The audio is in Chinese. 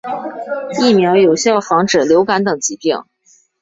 疫苗有效防止流感等疾病。